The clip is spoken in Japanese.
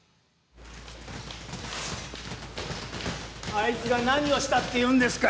あいつが何をしたっていうんですか？